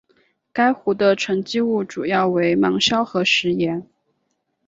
该湖的沉积物主要为芒硝和石盐。